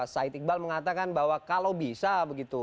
said iqbal mengatakan bahwa kalau bisa begitu